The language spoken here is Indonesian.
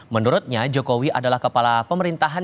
menurutnya jokowi adalah kepala pemerintahan